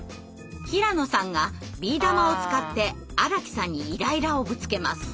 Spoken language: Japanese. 平野さんがビー玉を使って荒木さんにイライラをぶつけます。